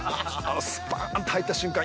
スパーンと入った瞬間